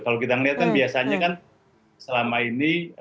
kalau kita melihat kan biasanya kan selama ini